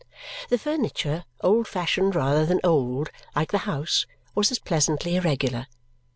The furniture, old fashioned rather than old, like the house, was as pleasantly irregular.